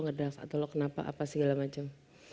ngedas atau lo kenapa apa segala macam